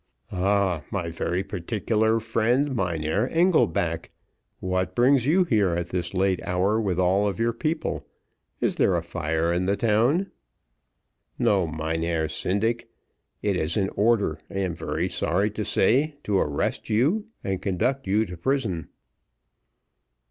"Ah, my very particular friend, Mynheer Engelback, what brings you here at this late hour with all your people? Is there a fire in the town?" "No, Mynheer Syndic. It is an order I am very sorry to say to arrest you, and conduct you to prison."